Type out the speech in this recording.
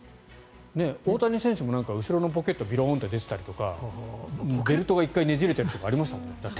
大谷選手も後ろのポケットがびろんって出てたりとかベルトがねじれてるとかありますよね。